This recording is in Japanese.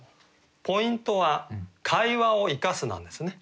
ポイントは「会話を生かす」なんですね。